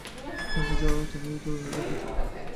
তুমি তো যাকে ইচ্ছা কর তাকেই সঠিক পথের সন্ধান দিতে পার।